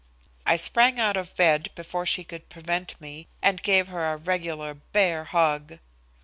I sprang out of bed before she could prevent me, and gave her a regular "bear hug."